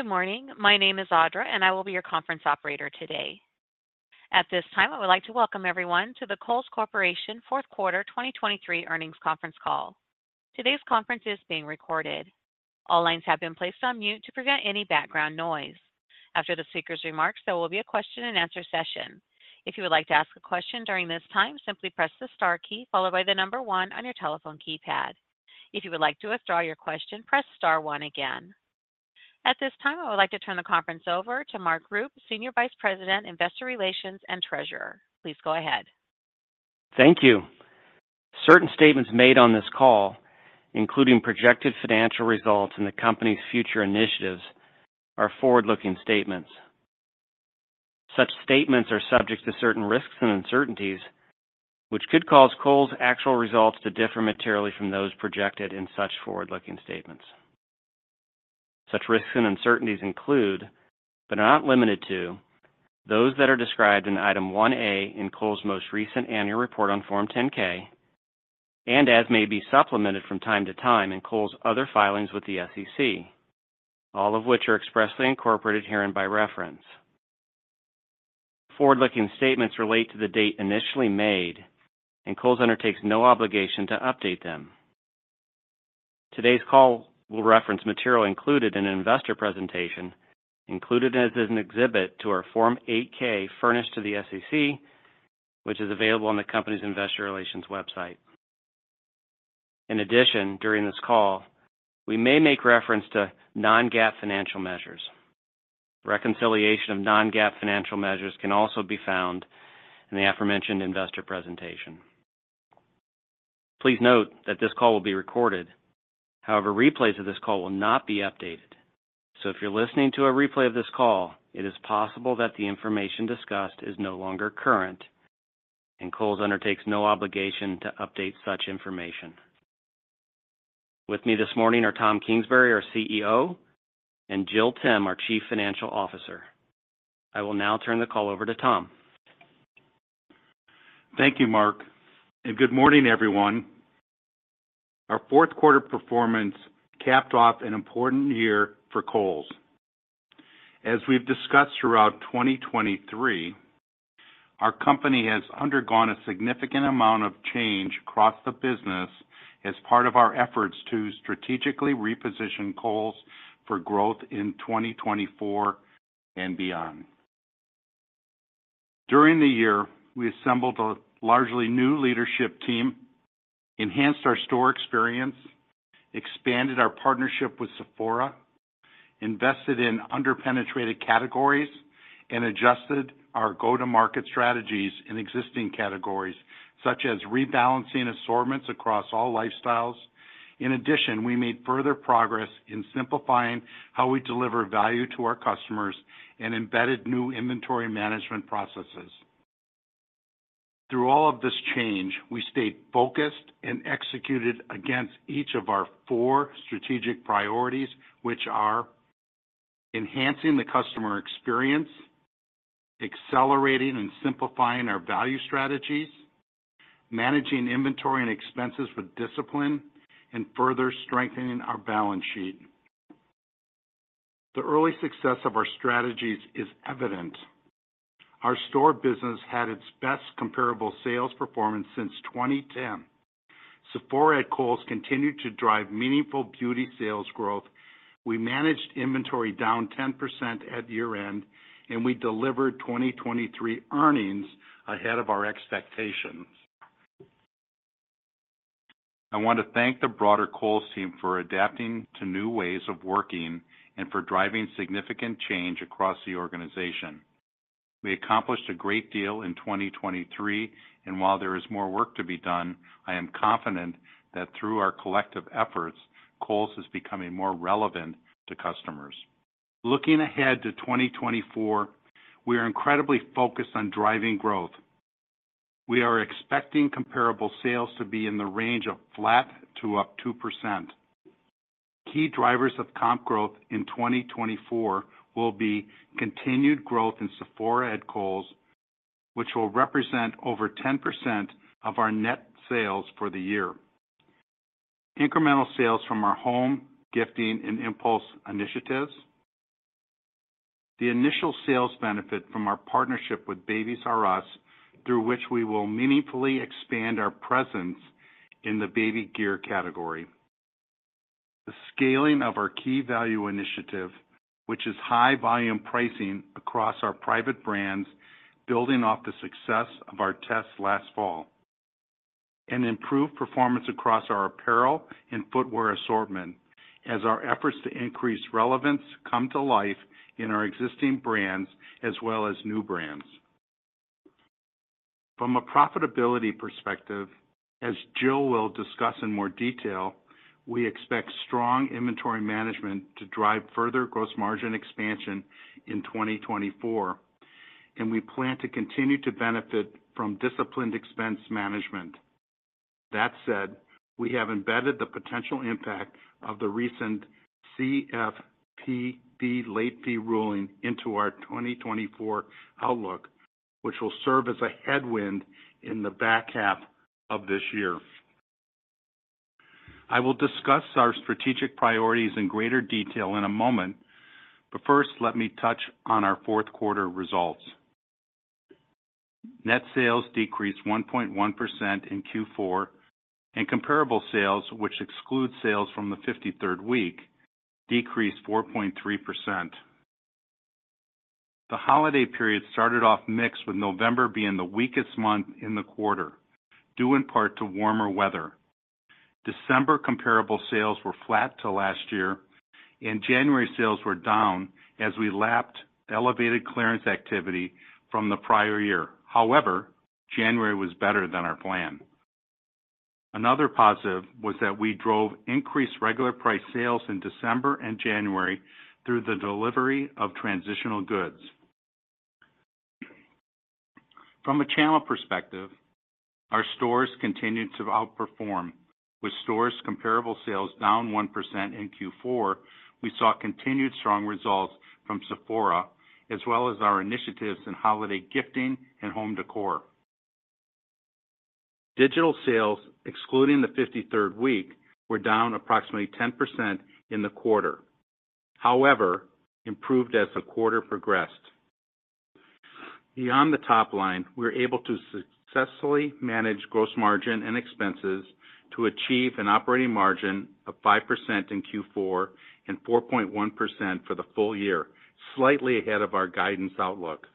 Good morning. My name is Audra, and I will be your conference operator today. At this time, I would like to welcome everyone to the Kohl's Corporation Q4 2023 earnings conference call. Today's conference is being recorded. All lines have been placed on mute to prevent any background noise. After the speaker's remarks, there will be a question-and-answer session. If you would like to ask a question during this time, simply press the star key followed by the number one on your telephone keypad. If you would like to withdraw your question, press star one again. At this time, I would like to turn the conference over to Mark Rupe, Senior Vice President, Investor Relations, and Treasurer. Please go ahead. Thank you. Certain statements made on this call, including projected financial results and the company's future initiatives, are forward-looking statements. Such statements are subject to certain risks and uncertainties, which could cause Kohl's actual results to differ materially from those projected in such forward-looking statements. Such risks and uncertainties include, but are not limited to, those that are described in Item 1A in Kohl's most recent annual report on Form 10-K, and as may be supplemented from time to time in Kohl's other filings with the SEC, all of which are expressly incorporated herein by reference. Forward-looking statements relate to the date initially made, and Kohl's undertakes no obligation to update them. Today's call will reference material included in an investor presentation, included as an exhibit to our Form 8-K furnished to the SEC, which is available on the company's Investor Relations website. In addition, during this call, we may make reference to non-GAAP financial measures. Reconciliation of non-GAAP financial measures can also be found in the aforementioned investor presentation. Please note that this call will be recorded. However, replays of this call will not be updated. So if you're listening to a replay of this call, it is possible that the information discussed is no longer current, and Kohl's undertakes no obligation to update such information. With me this morning are Tom Kingsbury, our CEO, and Jill Timm, our Chief Financial Officer. I will now turn the call over to Tom. Thank you, Mark. And good morning, everyone. Our Q4 performance capped off an important year for Kohl's. As we've discussed throughout 2023, our company has undergone a significant amount of change across the business as part of our efforts to strategically reposition Kohl's for growth in 2024 and beyond. During the year, we assembled a largely new leadership team, enhanced our store experience, expanded our partnership with Sephora, invested in under-penetrated categories, and adjusted our go-to-market strategies in existing categories, such as rebalancing assortments across all lifestyles. In addition, we made further progress in simplifying how we deliver value to our customers and embedded new inventory management processes. Through all of this change, we stayed focused and executed against each of our four strategic priorities, which are: enhancing the customer experience, accelerating and simplifying our value strategies, managing inventory and expenses with discipline, and further strengthening our balance sheet. The early success of our strategies is evident. Our store business had its best comparable sales performance since 2010. Sephora at Kohl's continued to drive meaningful beauty sales growth. We managed inventory down 10% at year-end, and we delivered 2023 earnings ahead of our expectations. I want to thank the broader Kohl's team for adapting to new ways of working and for driving significant change across the organization. We accomplished a great deal in 2023, and while there is more work to be done, I am confident that through our collective efforts, Kohl's is becoming more relevant to customers. Looking ahead to 2024, we are incredibly focused on driving growth. We are expecting comparable sales to be in the range of flat to up 2%. Key drivers of comp growth in 2024 will be continued growth in Sephora at Kohl's, which will represent over 10% of our net sales for the year. Incremental sales from our home, gifting, and impulse initiatives. The initial sales benefit from our partnership with Babies"R"Us, through which we will meaningfully expand our presence in the baby gear category. The scaling of our key value initiative, which is high-volume pricing across our private brands, building off the success of our tests last fall. And improved performance across our apparel and footwear assortment as our efforts to increase relevance come to life in our existing brands as well as new brands. From a profitability perspective, as Jill will discuss in more detail, we expect strong inventory management to drive further gross margin expansion in 2024, and we plan to continue to benefit from disciplined expense management. That said, we have embedded the potential impact of the recent CFPB late fee ruling into our 2024 outlook, which will serve as a headwind in the back half of this year. I will discuss our strategic priorities in greater detail in a moment, but first, let me touch on our Q4 results. Net sales decreased 1.1% in Q4, and comparable sales, which exclude sales from the 53rd week, decreased 4.3%. The holiday period started off mixed, with November being the weakest month in the quarter, due in part to warmer weather. December comparable sales were flat to last year, and January sales were down as we lapped elevated clearance activity from the prior year. However, January was better than our plan. Another positive was that we drove increased regular-price sales in December and January through the delivery of transitional goods. From a channel perspective, our stores continued to outperform. With stores' comparable sales down 1% in Q4, we saw continued strong results from Sephora, as well as our initiatives in holiday gifting and home décor. Digital sales, excluding the 53rd week, were down approximately 10% in the quarter, however improved as the quarter progressed. Beyond the top line, we were able to successfully manage gross margin and expenses to achieve an operating margin of 5% in Q4 and 4.1% for the full year, slightly ahead of our guidance outlook.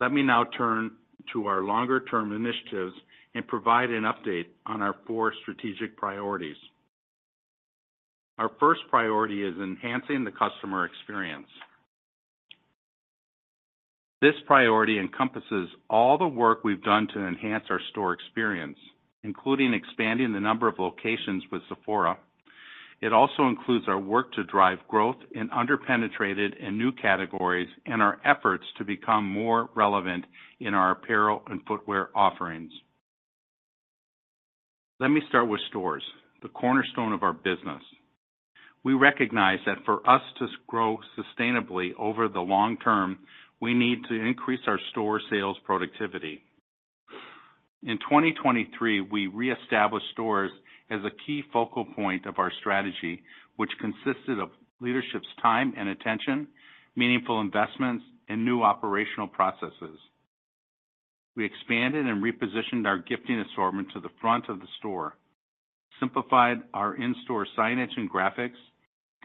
Let me now turn to our longer-term initiatives and provide an update on our four strategic priorities. Our first priority is enhancing the customer experience. This priority encompasses all the work we've done to enhance our store experience, including expanding the number of locations with Sephora. It also includes our work to drive growth in under-penetrated and new categories and our efforts to become more relevant in our apparel and footwear offerings. Let me start with stores, the cornerstone of our business. We recognize that for us to grow sustainably over the long term, we need to increase our store sales productivity. In 2023, we reestablished stores as a key focal point of our strategy, which consisted of leadership's time and attention, meaningful investments, and new operational processes. We expanded and repositioned our gifting assortment to the front of the store, simplified our in-store signage and graphics,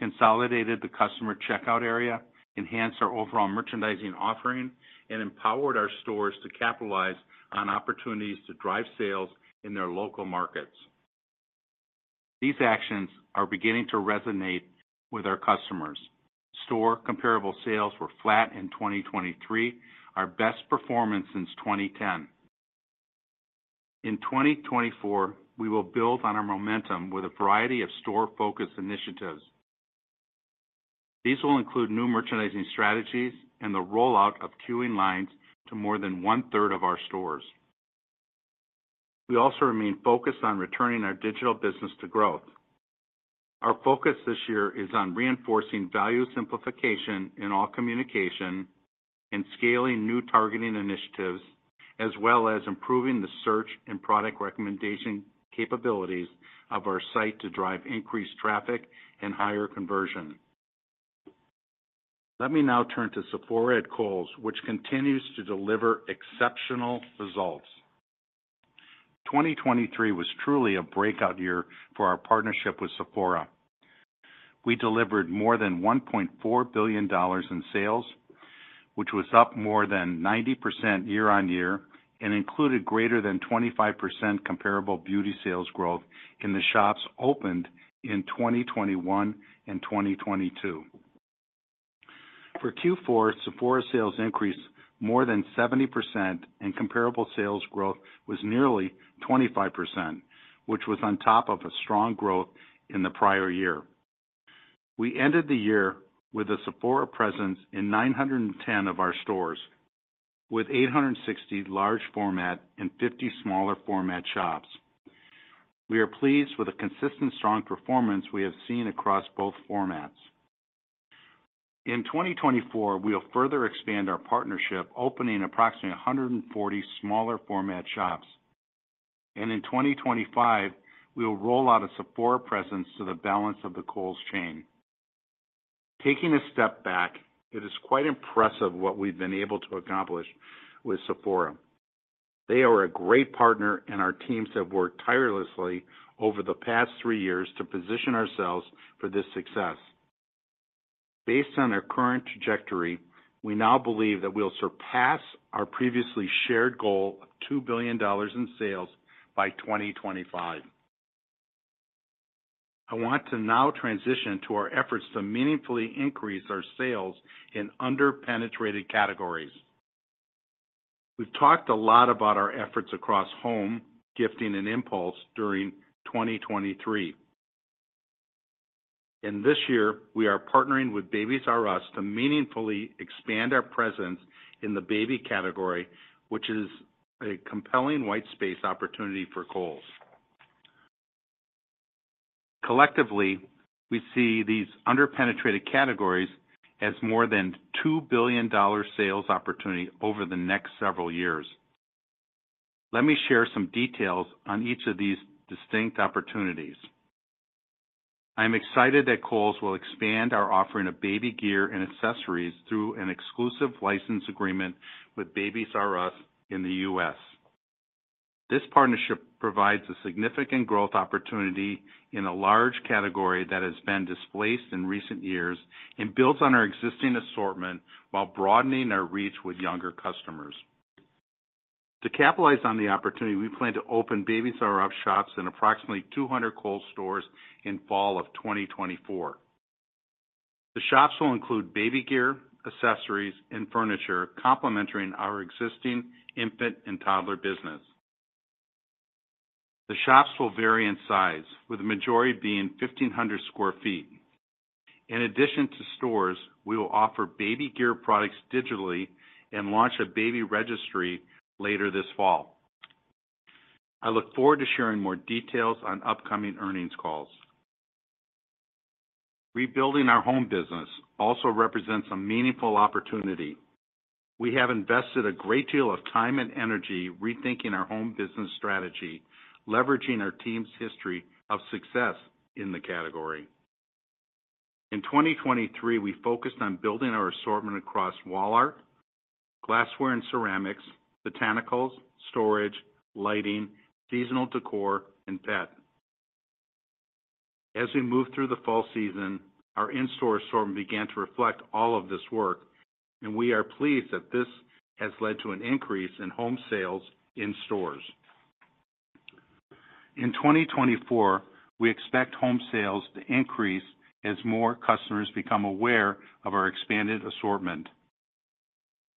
consolidated the customer checkout area, enhanced our overall merchandising offering, and empowered our stores to capitalize on opportunities to drive sales in their local markets. These actions are beginning to resonate with our customers. Store comparable sales were flat in 2023, our best performance since 2010. In 2024, we will build on our momentum with a variety of store-focused initiatives. These will include new merchandising strategies and the rollout of queuing lines to more than one-third of our stores. We also remain focused on returning our digital business to growth. Our focus this year is on reinforcing value simplification in all communication and scaling new targeting initiatives, as well as improving the search and product recommendation capabilities of our site to drive increased traffic and higher conversion. Let me now turn to Sephora at Kohl's, which continues to deliver exceptional results. 2023 was truly a breakout year for our partnership with Sephora. We delivered more than $1.4 billion in sales, which was up more than 90% year-over-year and included greater than 25% comparable beauty sales growth in the shops opened in 2021 and 2022. For Q4, Sephora sales increased more than 70%, and comparable sales growth was nearly 25%, which was on top of a strong growth in the prior year. We ended the year with a Sephora presence in 910 of our stores, with 860 large-format and 50 smaller-format shops. We are pleased with the consistent, strong performance we have seen across both formats. In 2024, we will further expand our partnership, opening approximately 140 smaller-format shops, and in 2025, we will roll out a Sephora presence to the balance of the Kohl's chain. Taking a step back, it is quite impressive what we've been able to accomplish with Sephora. They are a great partner, and our teams have worked tirelessly over the past three years to position ourselves for this success. Based on our current trajectory, we now believe that we'll surpass our previously shared goal of $2 billion in sales by 2025. I want to now transition to our efforts to meaningfully increase our sales in under-penetrated categories. We've talked a lot about our efforts across home, gifting, and impulse during 2023. In this year, we are partnering with Babies"R"Us to meaningfully expand our presence in the baby category, which is a compelling white space opportunity for Kohl's. Collectively, we see these under-penetrated categories as more than $2 billion sales opportunity over the next several years. Let me share some details on each of these distinct opportunities. I am excited that Kohl's will expand our offering of baby gear and accessories through an exclusive license agreement with Babies"R"Us in the U.S. This partnership provides a significant growth opportunity in a large category that has been displaced in recent years and builds on our existing assortment while broadening our reach with younger customers. To capitalize on the opportunity, we plan to open Babies"R"Us shops in approximately 200 Kohl's stores in fall of 2024. The shops will include baby gear, accessories, and furniture, complementary to our existing infant and toddler business. The shops will vary in size, with the majority being 1,500 sq ft. In addition to stores, we will offer baby gear products digitally and launch a baby registry later this fall. I look forward to sharing more details on upcoming earnings calls. Rebuilding our home business also represents a meaningful opportunity. We have invested a great deal of time and energy rethinking our home business strategy, leveraging our team's history of success in the category. In 2023, we focused on building our assortment across wall art, glassware, and ceramics, botanicals, storage, lighting, seasonal décor, and pet. As we move through the fall season, our in-store assortment began to reflect all of this work, and we are pleased that this has led to an increase in home sales in stores. In 2024, we expect home sales to increase as more customers become aware of our expanded assortment.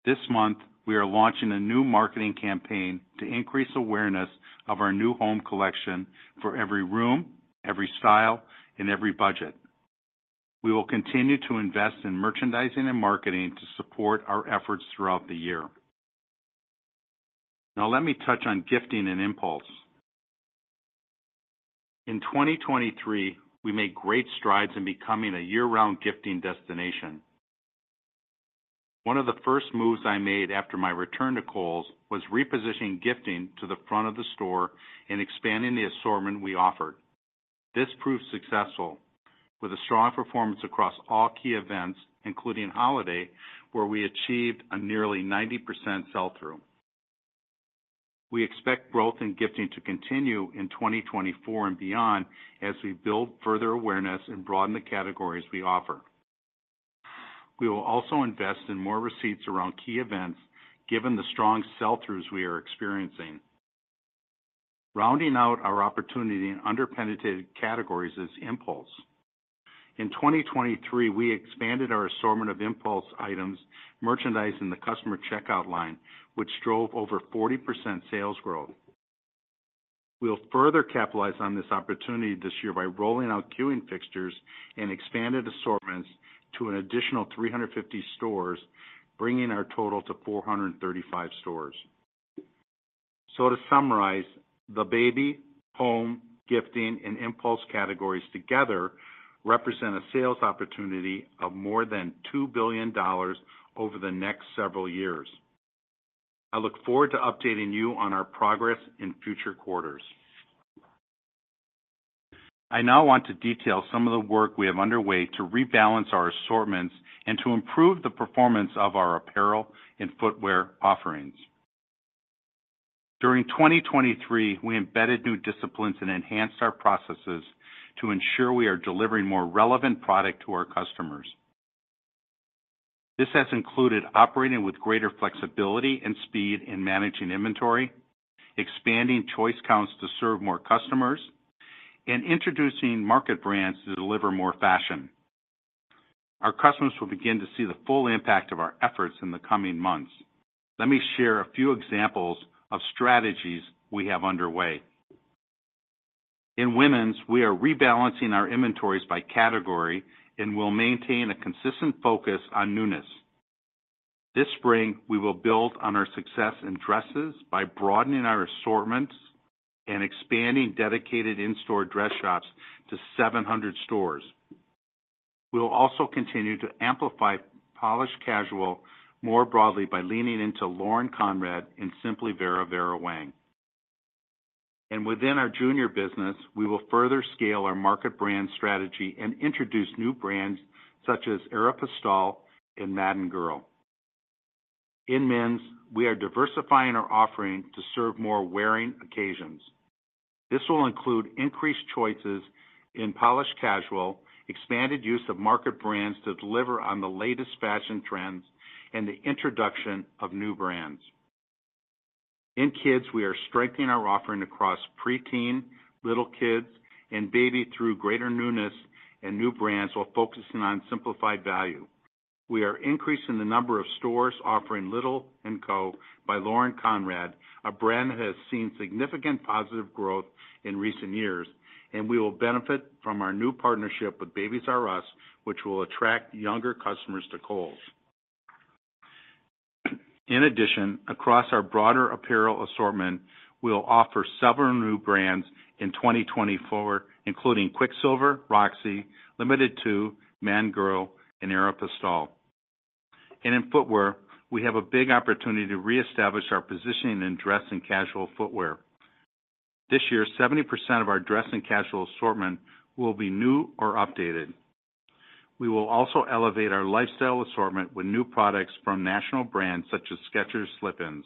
This month, we are launching a new marketing campaign to increase awareness of our new home collection for every room, every style, and every budget. We will continue to invest in merchandising and marketing to support our efforts throughout the year. Now, let me touch on gifting and impulse. In 2023, we made great strides in becoming a year-round gifting destination. One of the first moves I made after my return to Kohl's was repositioning gifting to the front of the store and expanding the assortment we offered. This proved successful, with a strong performance across all key events, including holiday, where we achieved a nearly 90% sell-through. We expect growth in gifting to continue in 2024 and beyond as we build further awareness and broaden the categories we offer. We will also invest in more receipts around key events, given the strong sell-throughs we are experiencing. Rounding out our opportunity in under-penetrated categories is impulse. In 2023, we expanded our assortment of impulse items, merchandising, and the customer checkout line, which drove over 40% sales growth. We'll further capitalize on this opportunity this year by rolling out queuing fixtures and expanded assortments to an additional 350 stores, bringing our total to 435 stores. So, to summarize, the baby, home, gifting, and impulse categories together represent a sales opportunity of more than $2 billion over the next several years. I look forward to updating you on our progress in future quarters. I now want to detail some of the work we have underway to rebalance our assortments and to improve the performance of our apparel and footwear offerings. During 2023, we embedded new disciplines and enhanced our processes to ensure we are delivering more relevant product to our customers. This has included operating with greater flexibility and speed in managing inventory, expanding choice counts to serve more customers, and introducing market brands to deliver more fashion. Our customers will begin to see the full impact of our efforts in the coming months. Let me share a few examples of strategies we have underway. In women's, we are rebalancing our inventories by category and will maintain a consistent focus on newness. This spring, we will build on our success in dresses by broadening our assortments and expanding dedicated in-store dress shops to 700 stores. We will also continue to amplify polished casual more broadly by leaning into Lauren Conrad and Simply Vera Vera Wang. Within our junior business, we will further scale our market brand strategy and introduce new brands such as Aeropostale and Madden Girl. In men's, we are diversifying our offering to serve more wearing occasions. This will include increased choices in polished casual, expanded use of market brands to deliver on the latest fashion trends, and the introduction of new brands. In kids, we are strengthening our offering across preteen, little kids, and baby through greater newness, and new brands while focusing on simplified value. We are increasing the number of stores offering Little & Co by Lauren Conrad, a brand that has seen significant positive growth in recent years, and we will benefit from our new partnership with Babies"R"Us, which will attract younger customers to Kohl's. In addition, across our broader apparel assortment, we'll offer several new brands in 2024, including Quiksilver, Roxy, Limited Too, Madden Girl, and Aeropostale. In footwear, we have a big opportunity to reestablish our positioning in dress and casual footwear. This year, 70% of our dress and casual assortment will be new or updated. We will also elevate our lifestyle assortment with new products from national brands such as Skechers Slip-ins.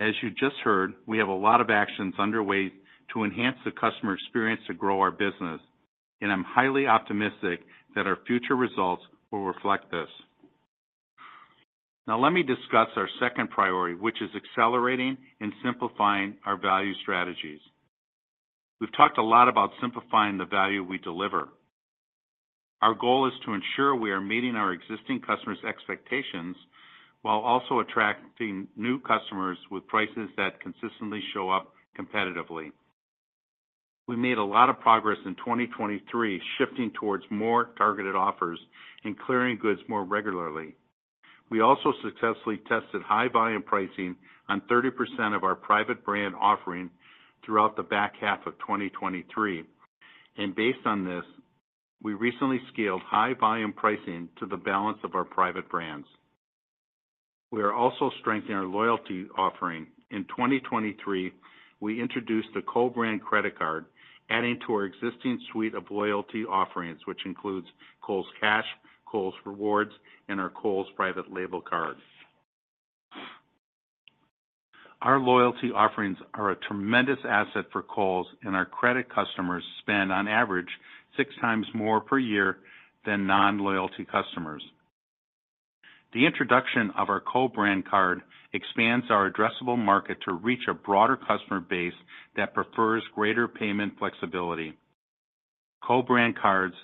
As you just heard, we have a lot of actions underway to enhance the customer experience to grow our business, and I'm highly optimistic that our future results will reflect this. Now, let me discuss our second priority, which is accelerating and simplifying our value strategies. We've talked a lot about simplifying the value we deliver. Our goal is to ensure we are meeting our existing customers' expectations while also attracting new customers with prices that consistently show up competitively. We made a lot of progress in 2023 shifting towards more targeted offers and clearing goods more regularly. We also successfully tested high-volume pricing on 30% of our private brand offering throughout the back half of 2023, and based on this, we recently scaled high-volume pricing to the balance of our private brands. We are also strengthening our loyalty offering. In 2023, we introduced a Kohl's brand credit card, adding to our existing suite of loyalty offerings, which includes Kohl's Cash, Kohl's Rewards, and our Kohl's private label card. Our loyalty offerings are a tremendous asset for Kohl's, and our credit customers spend, on average, six times more per year than non-loyalty customers. The introduction of our Kohl brand card expands our addressable market to reach a broader customer base that prefers greater payment flexibility. Kohl brand cards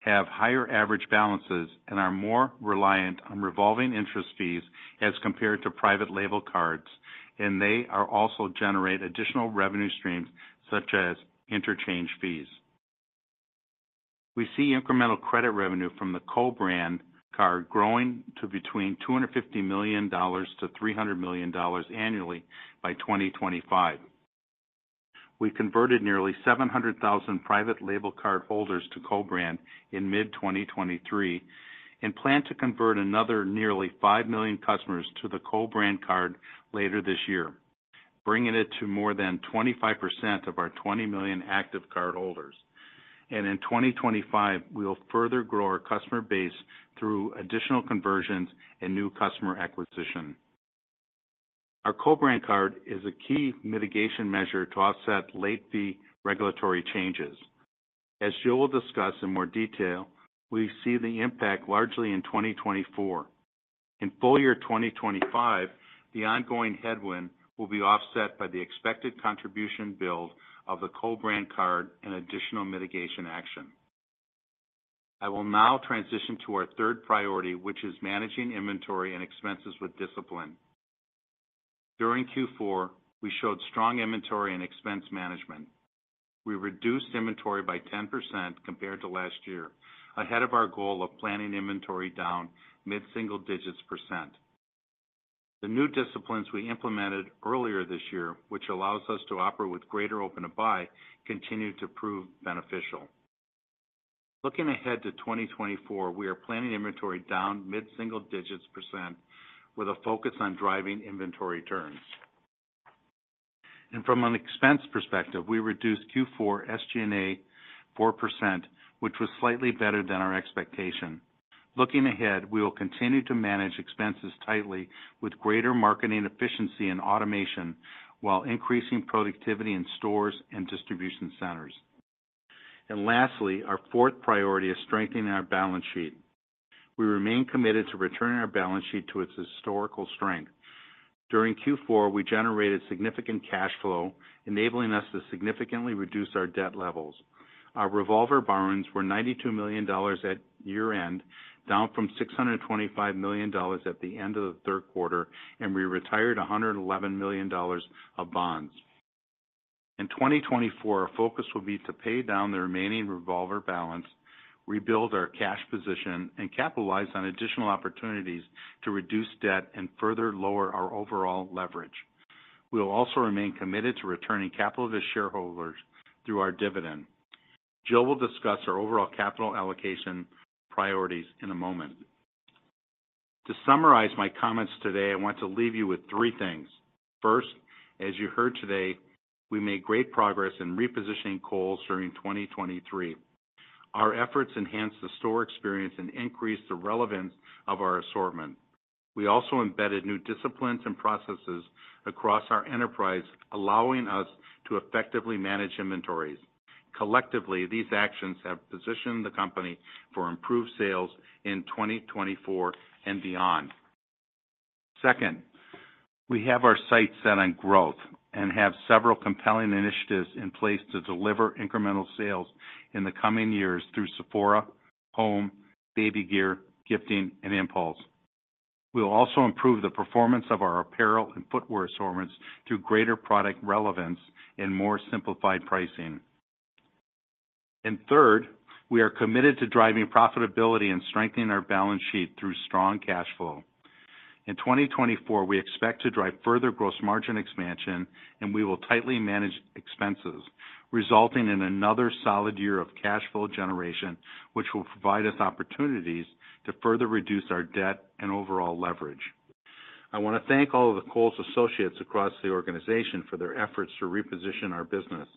have higher average balances and are more reliant on revolving interest fees as compared to private label cards, and they also generate additional revenue streams such as interchange fees. We see incremental credit revenue from the Kohl brand card growing to between $250 million-$300 million annually by 2025. We converted nearly 700,000 private label card holders to Kohl brand in mid-2023 and plan to convert another nearly 5 million customers to the Kohl brand card later this year, bringing it to more than 25% of our 20 million active card holders. In 2025, we'll further grow our customer base through additional conversions and new customer acquisition. Our Kohl brand card is a key mitigation measure to offset late-fee regulatory changes. As Jill will discuss in more detail, we see the impact largely in 2024. In full year 2025, the ongoing headwind will be offset by the expected contribution build of the Kohl brand card and additional mitigation action. I will now transition to our third priority, which is managing inventory and expenses with discipline. During Q4, we showed strong inventory and expense management. We reduced inventory by 10% compared to last year, ahead of our goal of planning inventory down mid-single digits percent. The new disciplines we implemented earlier this year, which allows us to operate with greater open to buy, continue to prove beneficial. Looking ahead to 2024, we are planning inventory down mid-single digits% with a focus on driving inventory turns. From an expense perspective, we reduced Q4 SG&A 4%, which was slightly better than our expectation. Looking ahead, we will continue to manage expenses tightly with greater marketing efficiency and automation while increasing productivity in stores and distribution centers. Lastly, our fourth priority is strengthening our balance sheet. We remain committed to returning our balance sheet to its historical strength. During Q4, we generated significant cash flow, enabling us to significantly reduce our debt levels. Our revolver borrowings were $92 million at year-end, down from $625 million at the end of the Q3, and we retired $111 million of bonds. In 2024, our focus will be to pay down the remaining revolver balance, rebuild our cash position, and capitalize on additional opportunities to reduce debt and further lower our overall leverage. We will also remain committed to returning capital to shareholders through our dividend. Jill will discuss our overall capital allocation priorities in a moment. To summarize my comments today, I want to leave you with three things. First, as you heard today, we made great progress in repositioning Kohl's during 2023. Our efforts enhanced the store experience and increased the relevance of our assortment. We also embedded new disciplines and processes across our enterprise, allowing us to effectively manage inventories. Collectively, these actions have positioned the company for improved sales in 2024 and beyond. Second, we have our sights set on growth and have several compelling initiatives in place to deliver incremental sales in the coming years through Sephora, home, baby gear, gifting, and impulse. We'll also improve the performance of our apparel and footwear assortments through greater product relevance and more simplified pricing. And third, we are committed to driving profitability and strengthening our balance sheet through strong cash flow. In 2024, we expect to drive further gross margin expansion, and we will tightly manage expenses, resulting in another solid year of cash flow generation, which will provide us opportunities to further reduce our debt and overall leverage. I want to thank all of the Kohl's associates across the organization for their efforts to reposition our business.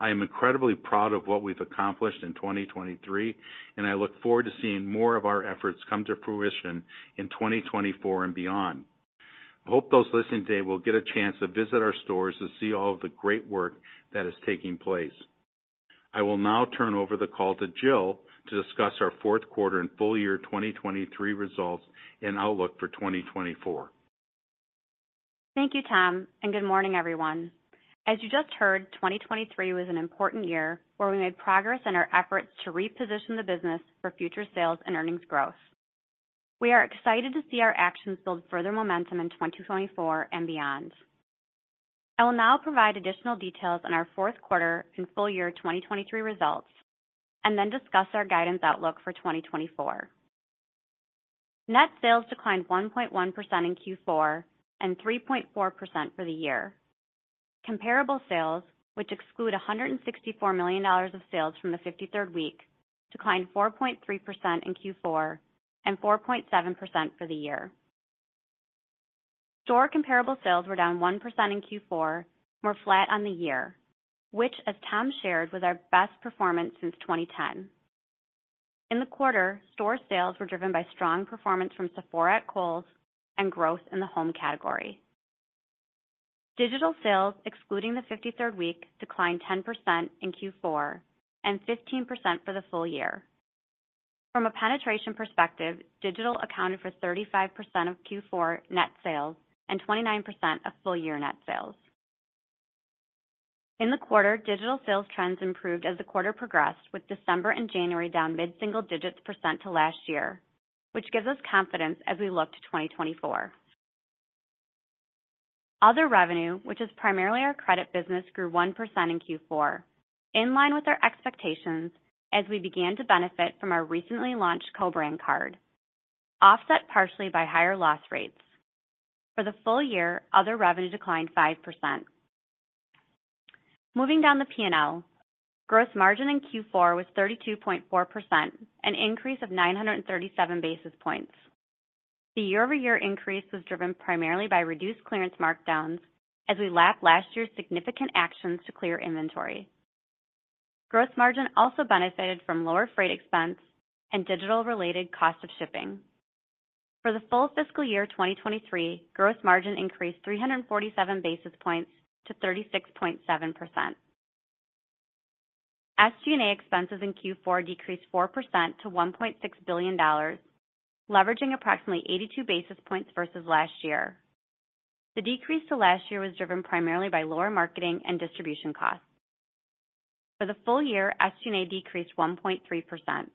I am incredibly proud of what we've accomplished in 2023, and I look forward to seeing more of our efforts come to fruition in 2024 and beyond. I hope those listening today will get a chance to visit our stores to see all of the great work that is taking place. I will now turn over the call to Jill to discuss our Q4 and full year 2023 results and outlook for 2024. Thank you, Tom, and good morning, everyone. As you just heard, 2023 was an important year where we made progress in our efforts to reposition the business for future sales and earnings growth. We are excited to see our actions build further momentum in 2024 and beyond. I will now provide additional details on our Q4 and full year 2023 results and then discuss our guidance outlook for 2024. Net sales declined 1.1% in Q4 and 3.4% for the year. Comparable sales, which exclude $164 million of sales from the 53rd week, declined 4.3% in Q4 and 4.7% for the year. Store comparable sales were down 1% in Q4, more flat on the year, which, as Tom shared, was our best performance since 2010. In the quarter, store sales were driven by strong performance from Sephora at Kohl's and growth in the home category. Digital sales, excluding the 53rd week, declined 10% in Q4 and 15% for the full year. From a penetration perspective, digital accounted for 35% of Q4 net sales and 29% of full year net sales. In the quarter, digital sales trends improved as the quarter progressed, with December and January down mid-single digits% to last year, which gives us confidence as we look to 2024. Other revenue, which is primarily our credit business, grew 1% in Q4, in line with our expectations as we began to benefit from our recently launched Kohl brand card, offset partially by higher loss rates. For the full year, other revenue declined 5%. Moving down the P&L, gross margin in Q4 was 32.4%, an increase of 937 basis points. The year-over-year increase was driven primarily by reduced clearance markdowns as we lapped last year's significant actions to clear inventory. Gross margin also benefited from lower freight expense and digital-related cost of shipping. For the full fiscal year 2023, gross margin increased 347 basis points to 36.7%. SG&A expenses in Q4 decreased 4% to $1.6 billion, leveraging approximately 82 basis points versus last year. The decrease to last year was driven primarily by lower marketing and distribution costs. For the full year, SG&A decreased 1.3%.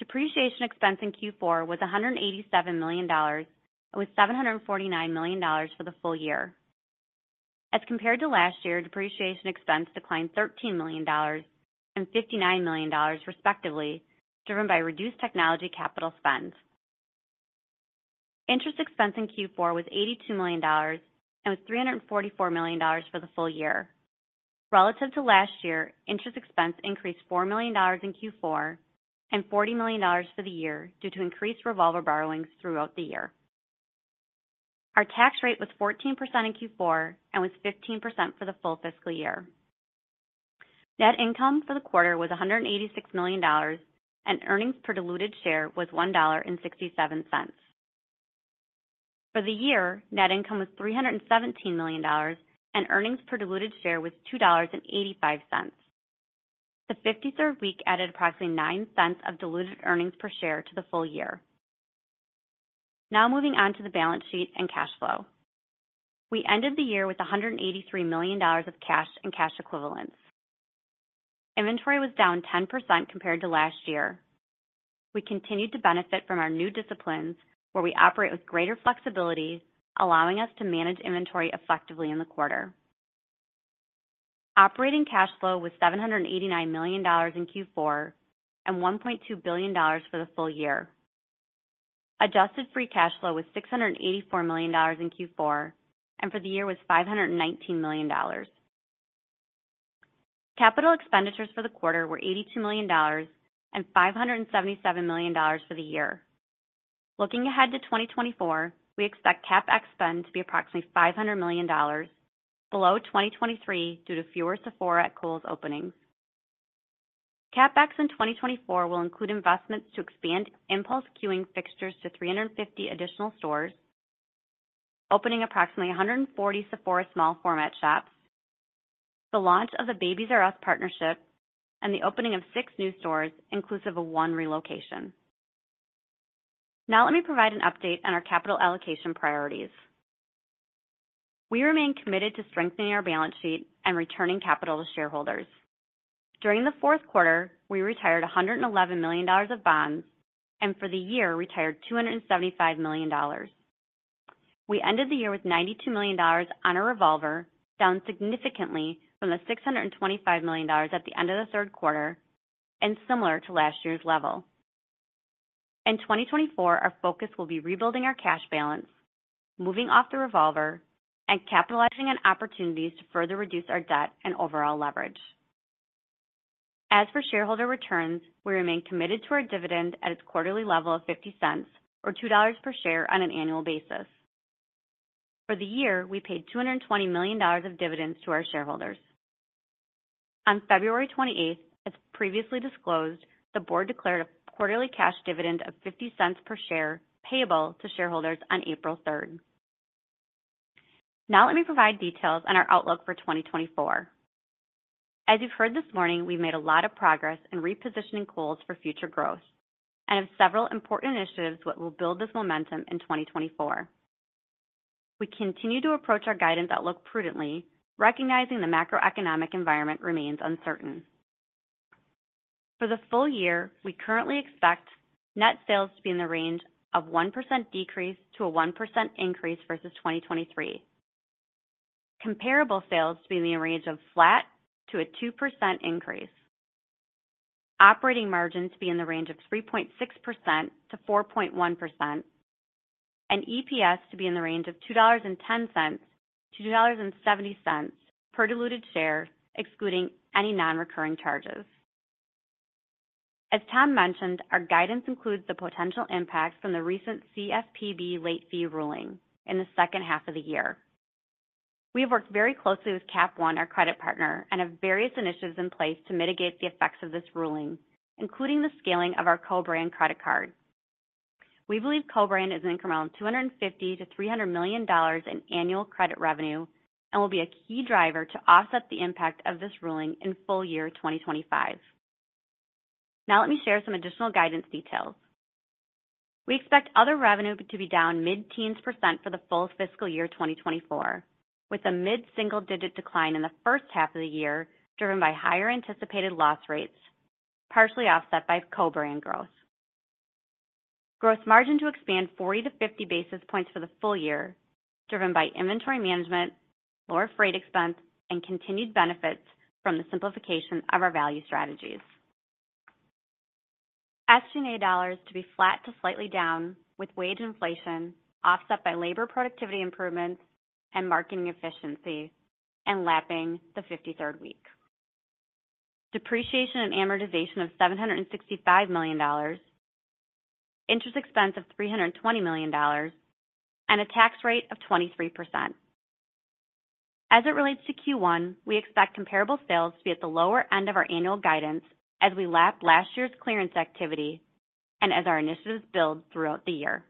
Depreciation expense in Q4 was $187 million and was $749 million for the full year. As compared to last year, depreciation expense declined $13 million and $59 million, respectively, driven by reduced technology capital spend. Interest expense in Q4 was $82 million and was $344 million for the full year. Relative to last year, interest expense increased $4 million in Q4 and $40 million for the year due to increased revolver borrowings throughout the year. Our tax rate was 14% in Q4 and was 15% for the full fiscal year. Net income for the quarter was $186 million, and earnings per diluted share was $1.67. For the year, net income was $317 million, and earnings per diluted share was $2.85. The 53rd week added approximately $0.09 of diluted earnings per share to the full year. Now moving on to the balance sheet and cash flow. We ended the year with $183 million of cash and cash equivalents. Inventory was down 10% compared to last year. We continued to benefit from our new disciplines, where we operate with greater flexibility, allowing us to manage inventory effectively in the quarter. Operating cash flow was $789 million in Q4 and $1.2 billion for the full year. Adjusted free cash flow was $684 million in Q4 and for the year was $519 million. Capital expenditures for the quarter were $82 million and $577 million for the year. Looking ahead to 2024, we expect CapEx spend to be approximately $500 million, below 2023 due to fewer Sephora at Kohl's openings. CapEx in 2024 will include investments to expand Impulse Queuing fixtures to 350 additional stores, opening approximately 140 Sephora small format shops, the launch of the Babies"R"Us partnership, and the opening of six new stores inclusive of one relocation. Now let me provide an update on our capital allocation priorities. We remain committed to strengthening our balance sheet and returning capital to shareholders. During the Q4, we retired $111 million of bonds and for the year retired $275 million. We ended the year with $92 million on our revolver, down significantly from the $625 million at the end of the Q3 and similar to last year's level. In 2024, our focus will be rebuilding our cash balance, moving off the revolver, and capitalizing on opportunities to further reduce our debt and overall leverage. As for shareholder returns, we remain committed to our dividend at its quarterly level of $0.50 or $2 per share on an annual basis. For the year, we paid $220 million of dividends to our shareholders. On February 28th, as previously disclosed, the board declared a quarterly cash dividend of $0.50 per share payable to shareholders on April 3rd. Now let me provide details on our outlook for 2024. As you've heard this morning, we've made a lot of progress in repositioning Kohl's for future growth and have several important initiatives that will build this momentum in 2024. We continue to approach our guidance outlook prudently, recognizing the macroeconomic environment remains uncertain. For the full year, we currently expect net sales to be in the range of -1% to 1% versus 2023. Comparable sales to be in the range of flat to 2%. Operating margin to be in the range of 3.6%-4.1%. EPS to be in the range of $2.10-$2.70 per diluted share, excluding any non-recurring charges. As Tom mentioned, our guidance includes the potential impact from the recent CFPB late fee ruling in the H2 of the year. We have worked very closely with Cap One, our credit partner, and have various initiatives in place to mitigate the effects of this ruling, including the scaling of our Kohl brand credit card. We believe Kohl brand is an incremental $250-300 million in annual credit revenue and will be a key driver to offset the impact of this ruling in full year 2025. Now let me share some additional guidance details. We expect other revenue to be down mid-teens% for the full fiscal year 2024, with a mid-single digit decline in the H1 of the year driven by higher anticipated loss rates, partially offset by Kohl brand growth. Gross margin to expand 40-50 basis points for the full year, driven by inventory management, lower freight expense, and continued benefits from the simplification of our value strategies. SG&A dollars to be flat to slightly down with wage inflation offset by labor productivity improvements and marketing efficiency and lapping the 53rd week. Depreciation and amortization of $765 million. Interest expense of $320 million. A tax rate of 23%. As it relates to Q1, we expect comparable sales to be at the lower end of our annual guidance as we lap last year's clearance activity and as our initiatives build throughout the year.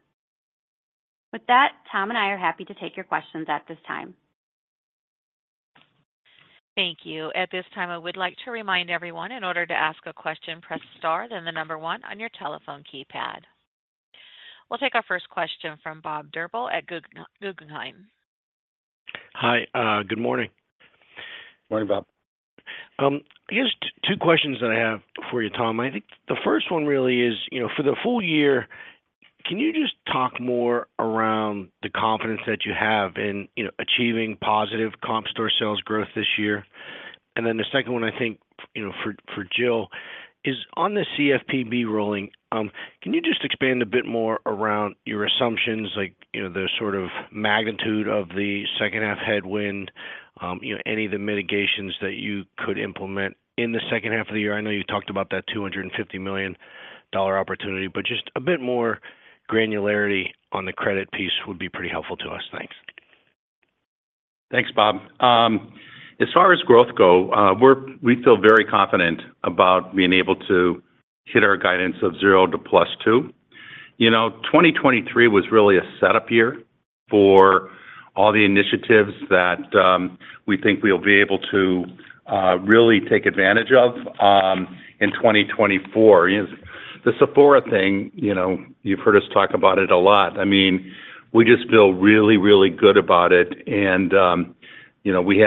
With that, Tom and I are happy to take your questions at this time. Thank you. At this time, I would like to remind everyone, in order to ask a question, press star, then the number one on your telephone keypad. We'll take our first question from Bob Drbul at Guggenheim. Hi. Good morning. Morning, Bob. Here are two questions that I have for you, Tom. I think the first one really is, for the full year, can you just talk more around the confidence that you have in achieving positive comp store sales growth this year? And then the second one, I think, for Jill, is on the CFPB ruling, can you just expand a bit more around your assumptions, the sort of magnitude of the second-half headwind, any of the mitigations that you could implement in the H2 of the year? I know you talked about that $250 million opportunity, but just a bit more granularity on the credit piece would be pretty helpful to us. Thanks. Thanks, Bob. As far as growth go, we feel very confident about being able to hit our guidance of 0 to +2. 2023 was really a setup year for all the initiatives that we think we'll be able to really take advantage of in 2024. The Sephora thing, you've heard us talk about it a lot. I mean, we just feel really, really good about it. And we already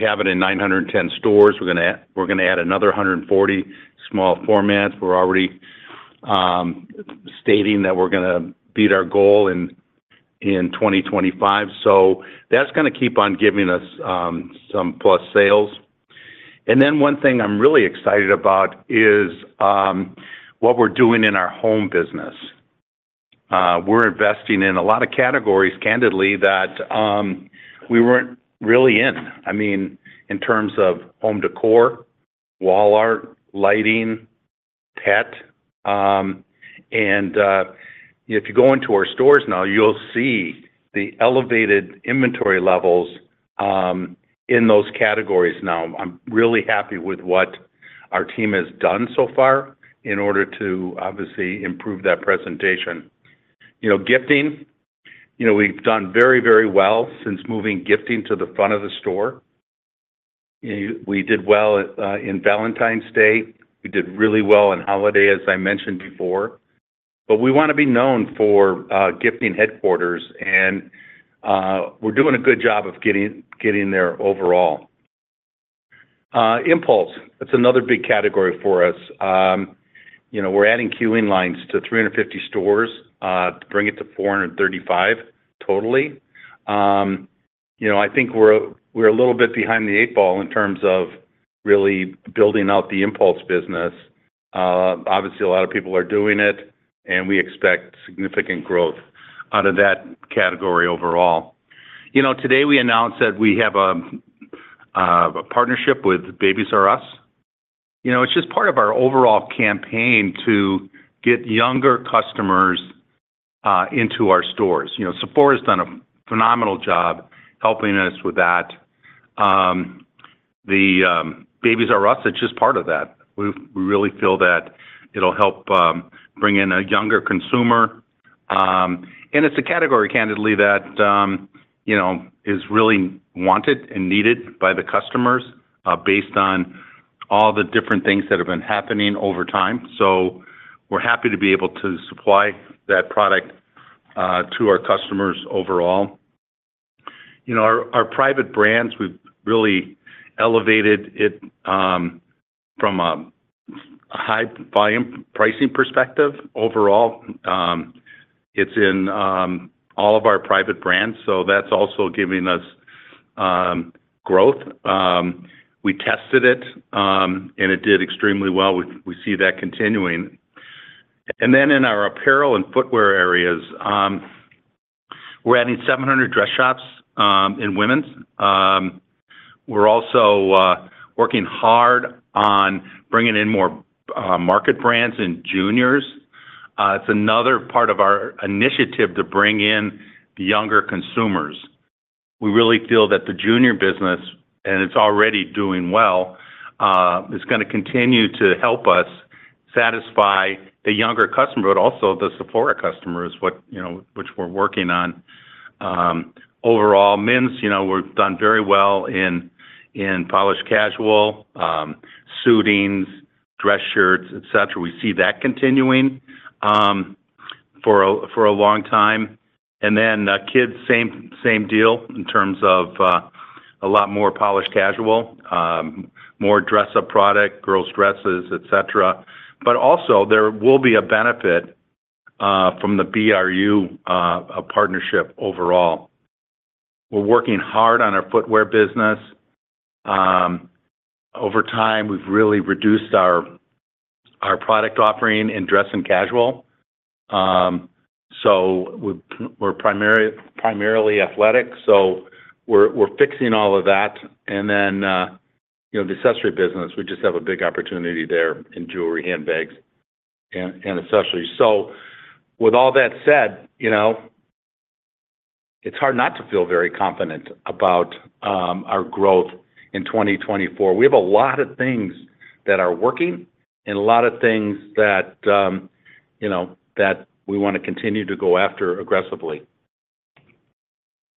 have it in 910 stores. We're going to add another 140 small formats. We're already stating that we're going to beat our goal in 2025. So that's going to keep on giving us some plus sales. And then one thing I'm really excited about is what we're doing in our home business. We're investing in a lot of categories, candidly, that we weren't really in, I mean, in terms of home decor, wall art, lighting, pet. And if you go into our stores now, you'll see the elevated inventory levels in those categories now. I'm really happy with what our team has done so far in order to, obviously, improve that presentation. Gifting, we've done very, very well since moving gifting to the front of the store. We did well in Valentine's Day. We did really well on holiday, as I mentioned before. But we want to be known for gifting headquarters. And we're doing a good job of getting there overall. Impulse, that's another big category for us. We're adding queuing lines to 350 stores to bring it to 435 totally. I think we're a little bit behind the eight ball in terms of really building out the Impulse business. Obviously, a lot of people are doing it, and we expect significant growth out of that category overall. Today, we announced that we have a partnership with Babies"R"Us. It's just part of our overall campaign to get younger customers into our stores. Sephora has done a phenomenal job helping us with that. The Babies"R"Us, it's just part of that. We really feel that it'll help bring in a younger consumer. And it's a category, candidly, that is really wanted and needed by the customers based on all the different things that have been happening over time. So we're happy to be able to supply that product to our customers overall. Our private brands, we've really elevated it from a high-volume pricing perspective. Overall, it's in all of our private brands. So that's also giving us growth. We tested it, and it did extremely well. We see that continuing. And then in our apparel and footwear areas, we're adding 700 dress shops in women's. We're also working hard on bringing in more market brands in juniors. It's another part of our initiative to bring in younger consumers. We really feel that the junior business, and it's already doing well, is going to continue to help us satisfy the younger customer, but also the Sephora customers, which we're working on. Overall, men's, we've done very well in polished casual, suitings, dress shirts, etc. We see that continuing for a long time. And then kids, same deal in terms of a lot more polished casual, more dress-up product, girls' dresses, etc. But also, there will be a benefit from the BRU partnership overall. We're working hard on our footwear business. Over time, we've really reduced our product offering in dress and casual. So we're primarily athletic. So we're fixing all of that. Then the accessory business, we just have a big opportunity there in jewelry, handbags, and accessories. With all that said, it's hard not to feel very confident about our growth in 2024. We have a lot of things that are working and a lot of things that we want to continue to go after aggressively.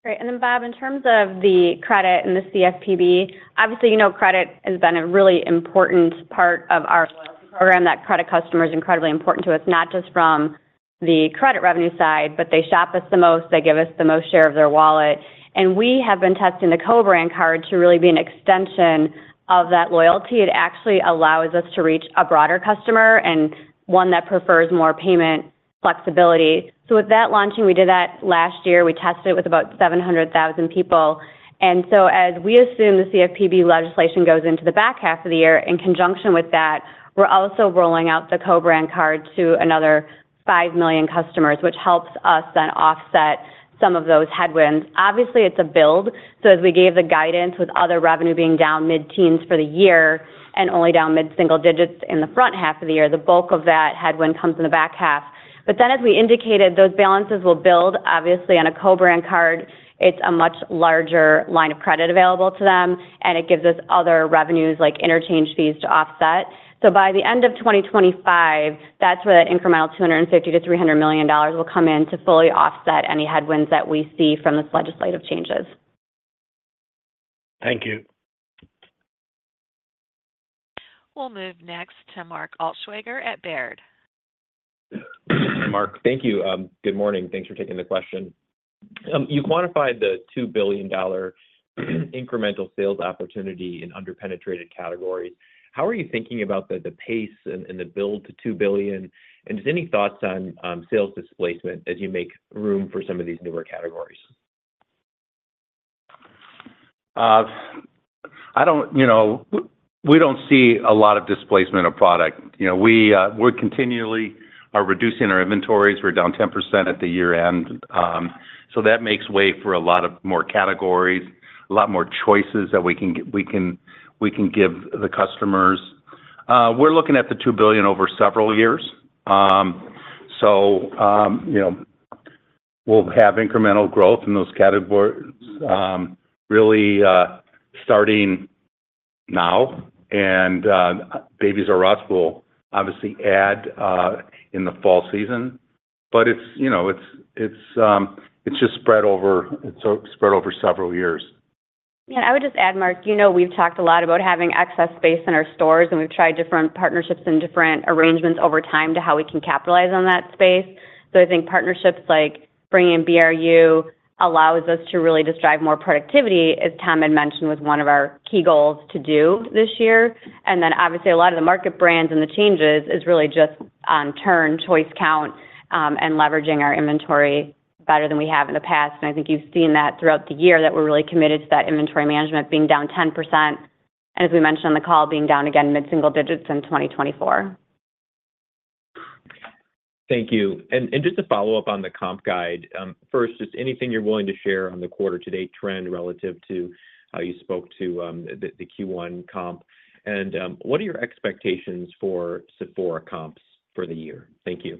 Great. And then, Bob, in terms of the credit and the CFPB, obviously, credit has been a really important part of our loyalty program. That credit customer is incredibly important to us, not just from the credit revenue side, but they shop us the most. They give us the most share of their wallet. And we have been testing the Kohl brand card to really be an extension of that loyalty. It actually allows us to reach a broader customer and one that prefers more payment flexibility. So with that launching, we did that last year. We tested it with about 700,000 people. And so as we assume the CFPB legislation goes into the back half of the year, in conjunction with that, we're also rolling out the Kohl brand card to another 5 million customers, which helps us then offset some of those headwinds. Obviously, it's a build. So as we gave the guidance with other revenue being down mid-teens for the year and only down mid-single digits in the front half of the year, the bulk of that headwind comes in the back half. But then, as we indicated, those balances will build. Obviously, on a Kohl brand card, it's a much larger line of credit available to them, and it gives us other revenues like interchange fees to offset. So by the end of 2025, that's where that incremental $250-$300 million will come in to fully offset any headwinds that we see from this legislative changes. Thank you. We'll move next to Mark Altschwager at Baird. Hi, Mark. Thank you. Good morning. Thanks for taking the question. You quantified the $2 billion incremental sales opportunity in underpenetrated categories. How are you thinking about the pace and the build to $2 billion? And just any thoughts on sales displacement as you make room for some of these newer categories? We don't see a lot of displacement of product. We continually are reducing our inventories. We're down 10% at the year-end. So that makes way for a lot of more categories, a lot more choices that we can give the customers. We're looking at the $2 billion over several years. So we'll have incremental growth in those categories, really starting now. And Babies"R"Us will obviously add in the fall season. But it's just spread over several years. Yeah. And I would just add, Mark, we've talked a lot about having excess space in our stores, and we've tried different partnerships and different arrangements over time to how we can capitalize on that space. So I think partnerships like bringing in BRU allows us to really just drive more productivity, as Tom had mentioned, was one of our key goals to do this year. And then, obviously, a lot of the market brands and the changes is really just on turn, choice count, and leveraging our inventory better than we have in the past. And I think you've seen that throughout the year, that we're really committed to that inventory management being down 10% and, as we mentioned on the call, being down again mid-single digits in 2024. Thank you. Just to follow up on the comp guide, first, just anything you're willing to share on the quarter-to-date trend relative to how you spoke to the Q1 comp? What are your expectations for Sephora comps for the year? Thank you.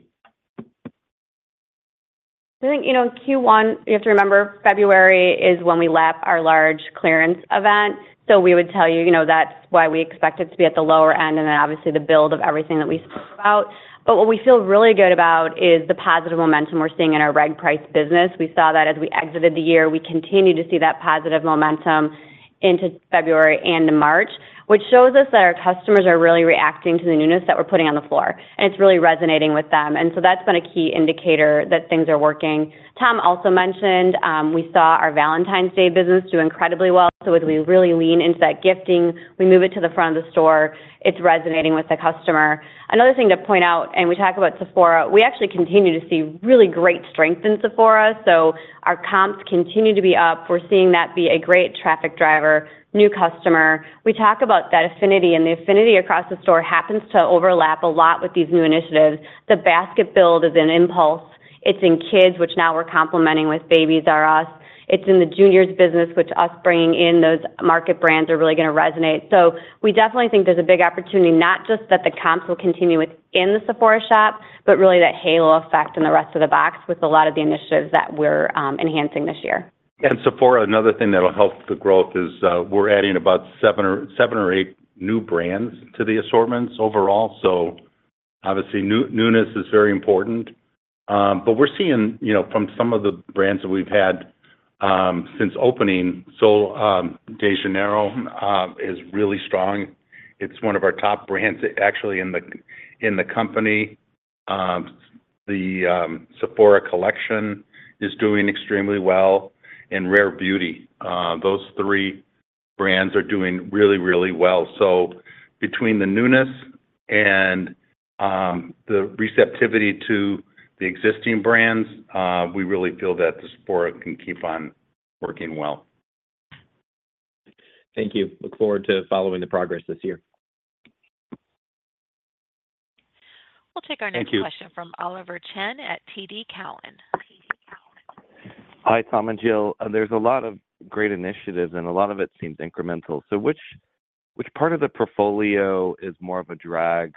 I think in Q1, you have to remember, February is when we lap our large clearance event. So we would tell you that's why we expect it to be at the lower end and then, obviously, the build of everything that we spoke about. But what we feel really good about is the positive momentum we're seeing in our reg price business. We saw that as we exited the year. We continue to see that positive momentum into February and to March, which shows us that our customers are really reacting to the newness that we're putting on the floor. And it's really resonating with them. And so that's been a key indicator that things are working. Tom also mentioned we saw our Valentine's Day business do incredibly well. So as we really lean into that gifting, we move it to the front of the store. It's resonating with the customer. Another thing to point out, and we talk about Sephora, we actually continue to see really great strength in Sephora. So our comps continue to be up. We're seeing that be a great traffic driver, new customer. We talk about that affinity. And the affinity across the store happens to overlap a lot with these new initiatives. The basket build is in Impulse. It's in kids, which now we're complementing with Babies"R"Us. It's in the juniors' business, which is bringing in those market brands are really going to resonate. So we definitely think there's a big opportunity, not just that the comps will continue within the Sephora shop, but really that halo effect in the rest of the box with a lot of the initiatives that we're enhancing this year. Sephora, another thing that'll help the growth is we're adding about seven or eight new brands to the assortments overall. So obviously, newness is very important. But we're seeing from some of the brands that we've had since opening, so Sol de Janeiro is really strong. It's one of our top brands, actually, in the company. The Sephora Collection is doing extremely well. And Rare Beauty, those three brands are doing really, really well. So between the newness and the receptivity to the existing brands, we really feel that the Sephora can keep on working well. Thank you. Look forward to following the progress this year. We'll take our next question from Oliver Chen at TD Cowen. Hi, Tom and Jill. There's a lot of great initiatives, and a lot of it seems incremental. So which part of the portfolio is more of a drag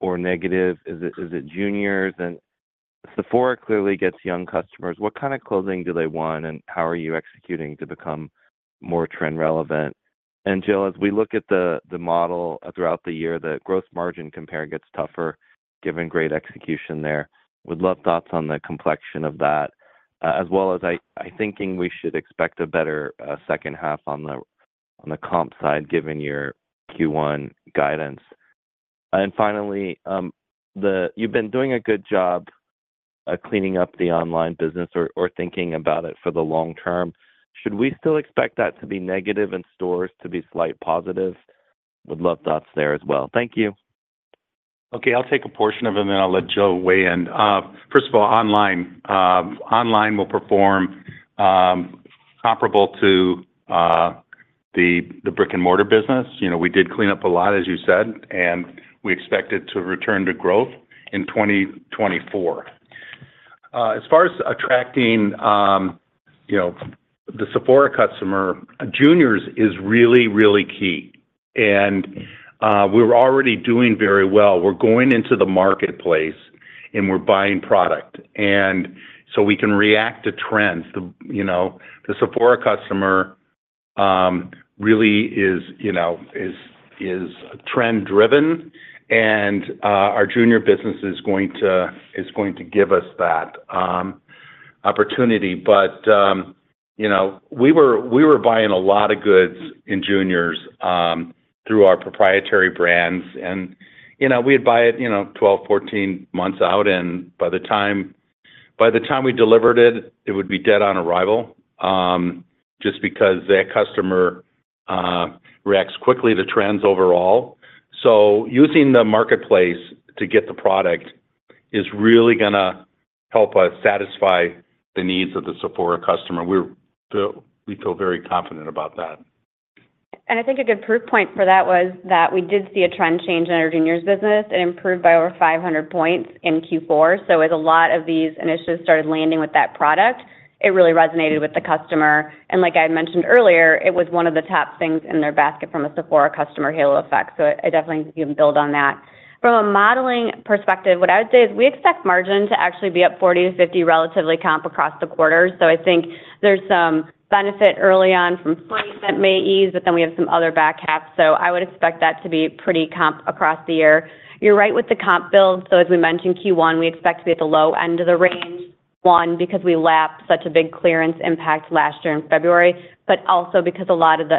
or negative? Is it juniors? And Sephora clearly gets young customers. What kind of clothing do they want, and how are you executing to become more trend-relevant? And Jill, as we look at the model throughout the year, the gross margin compare gets tougher given great execution there. Would love thoughts on the complexion of that, as well as I'm thinking we should expect a better H2 on the comp side given your Q1 guidance. And finally, you've been doing a good job cleaning up the online business or thinking about it for the long term. Should we still expect that to be negative and stores to be slight positive? Would love thoughts there as well. Thank you. Okay. I'll take a portion of it, and then I'll let Jill weigh in. First of all, online will perform comparable to the brick-and-mortar business. We did clean up a lot, as you said, and we expect it to return to growth in 2024. As far as attracting the Sephora customer, juniors is really, really key. We're already doing very well. We're going into the marketplace, and we're buying product. So we can react to trends. The Sephora customer really is trend-driven, and our junior business is going to give us that opportunity. But we were buying a lot of goods in juniors through our proprietary brands. We'd buy it 12, 14 months out. By the time we delivered it, it would be dead on arrival just because that customer reacts quickly to trends overall. Using the marketplace to get the product is really going to help us satisfy the needs of the Sephora customer. We feel very confident about that. I think a good proof point for that was that we did see a trend change in our juniors' business. It improved by over 500 points in Q4. So as a lot of these initiatives started landing with that product, it really resonated with the customer. And like I had mentioned earlier, it was one of the top things in their basket from a Sephora customer halo effect. So I definitely think you can build on that. From a modeling perspective, what I would say is we expect margin to actually be up 40-50 relatively comp across the quarters. So I think there's some benefit early on from 40 that may ease, but then we have some other back halfs. So I would expect that to be pretty comp across the year. You're right with the comp build. So as we mentioned, Q1, we expect to be at the low end of the range, one, because we lap such a big clearance impact last year in February, but also because a lot of the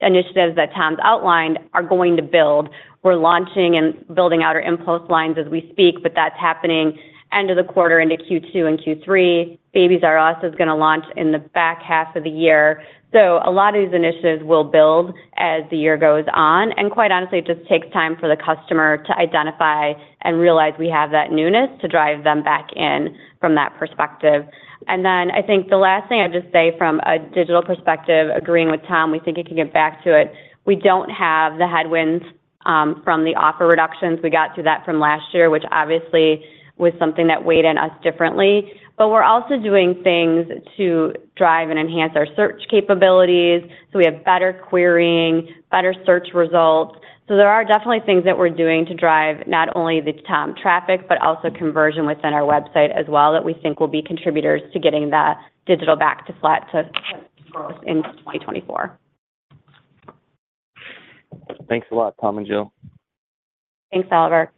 initiatives that Tom's outlined are going to build. We're launching and building out our Impulse lines as we speak, but that's happening end of the quarter into Q2 and Q3. Babies"R"Us is going to launch in the back half of the year. So a lot of these initiatives will build as the year goes on. And quite honestly, it just takes time for the customer to identify and realize we have that newness to drive them back in from that perspective. And then I think the last thing I'd just say from a digital perspective, agreeing with Tom, we think it can get back to it. We don't have the headwinds from the offer reductions. We got through that from last year, which obviously was something that weighed on us differently. But we're also doing things to drive and enhance our search capabilities. So we have better querying, better search results. So there are definitely things that we're doing to drive not only the traffic but also conversion within our website as well that we think will be contributors to getting that digital back to flat to growth in 2024. Thanks a lot, Tom and Jill. Thanks, Oliver.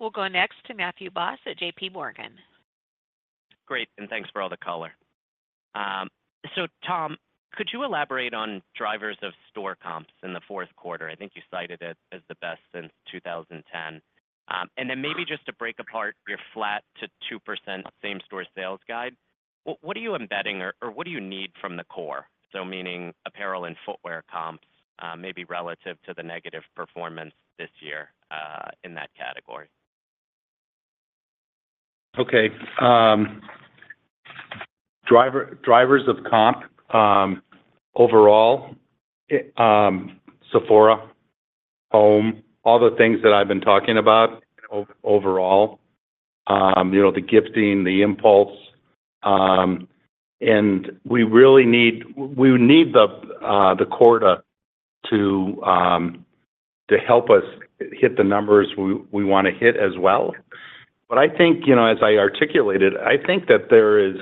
We'll go next to Matthew Boss at JPMorgan. Great. And thanks for all the color. So Tom, could you elaborate on drivers of store comps in the Q4? I think you cited it as the best since 2010. And then maybe just to break apart your flat to 2% same-store sales guide, what are you embedding or what do you need from the core? So meaning apparel and footwear comps, maybe relative to the negative performance this year in that category. Okay. Drivers of comp overall, Sephora, Home, all the things that I've been talking about overall, the gifting, the Impulse. And we really need the quarter to help us hit the numbers we want to hit as well. But I think, as I articulated, I think that there is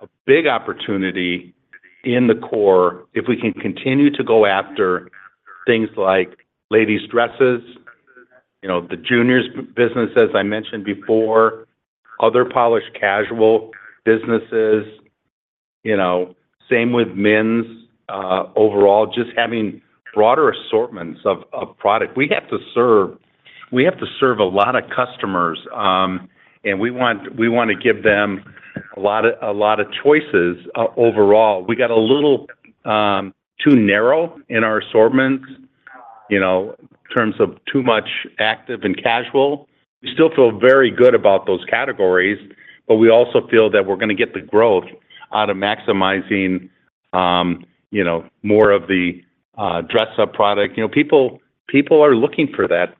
a big opportunity in the core if we can continue to go after things like ladies' dresses, the juniors' business, as I mentioned before, other polished casual businesses. Same with men's overall, just having broader assortments of product. We have to serve a lot of customers, and we want to give them a lot of choices overall. We got a little too narrow in our assortments in terms of too much active and casual. We still feel very good about those categories, but we also feel that we're going to get the growth out of maximizing more of the dress-up product. People are looking for that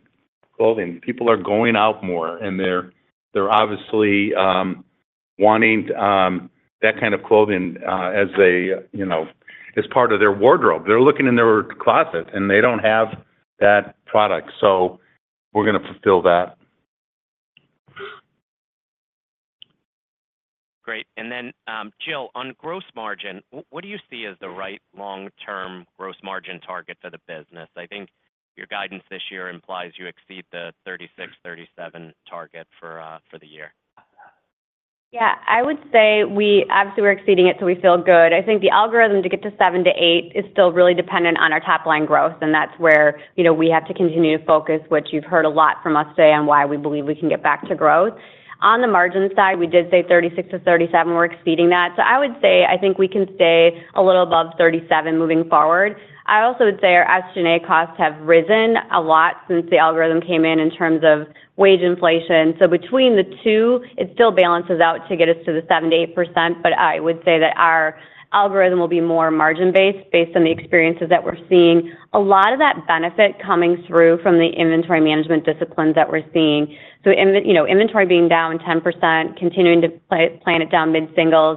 clothing. People are going out more, and they're obviously wanting that kind of clothing as part of their wardrobe. They're looking in their closet, and they don't have that product. So we're going to fulfill that. Great. And then Jill, on gross margin, what do you see as the right long-term gross margin target for the business? I think your guidance this year implies you exceed the 36, 37 target for the year. Yeah. I would say obviously, we're exceeding it, so we feel good. I think the algorithm to get to 7-8 is still really dependent on our top-line growth, and that's where we have to continue to focus, which you've heard a lot from us today on why we believe we can get back to growth. On the margin side, we did say 36-37, we're exceeding that. So I would say I think we can stay a little above 37 moving forward. I also would say our SG&A costs have risen a lot since the algorithm came in in terms of wage inflation. So between the two, it still balances out to get us to the 7-8%. But I would say that our algorithm will be more margin-based based on the experiences that we're seeing. A lot of that benefit coming through from the inventory management disciplines that we're seeing. So inventory being down 10%, continuing to plan it down mid-singles,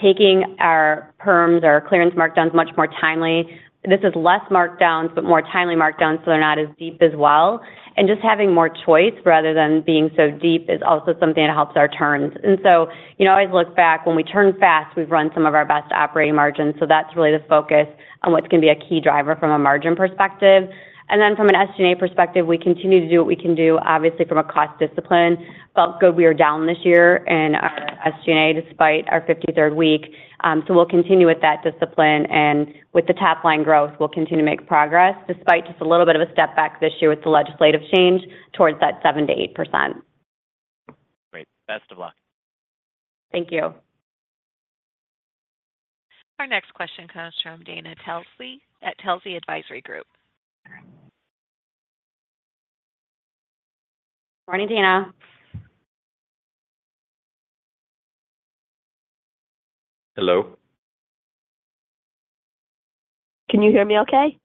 taking our perms, our clearance markdowns much more timely. This is less markdowns but more timely markdowns, so they're not as deep as well. And just having more choice rather than being so deep is also something that helps our turns. And so I always look back. When we turn fast, we've run some of our best operating margins. So that's really the focus on what's going to be a key driver from a margin perspective. And then from an SG&A perspective, we continue to do what we can do, obviously, from a cost discipline. Felt good we were down this year in our SG&A despite our 53rd week. So we'll continue with that discipline. With the top-line growth, we'll continue to make progress despite just a little bit of a step back this year with the legislative change towards that 7%-8%. Great. Best of luck. Thank you. Our next question comes from Dana Telsey at Telsey Advisory Group. Morning, Dana. Hello. Can you hear me okay?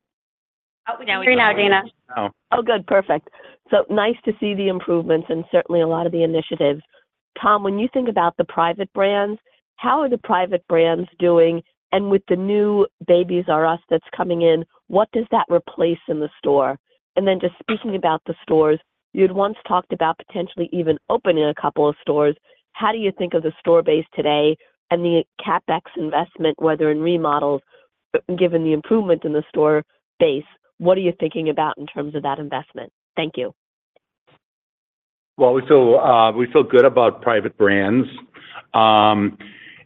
Oh, we can hear you now, Dana. Oh, we can hear you now. Oh, good. Perfect. So nice to see the improvements and certainly a lot of the initiatives. Tom, when you think about the private brands, how are the private brands doing? And with the new Babies"R"Us that's coming in, what does that replace in the store? And then just speaking about the stores, you had once talked about potentially even opening a couple of stores. How do you think of the store base today and the CapEx investment, whether in remodels given the improvement in the store base, what are you thinking about in terms of that investment? Thank you. Well, we feel good about private brands.